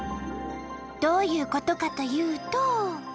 どういうことかというと。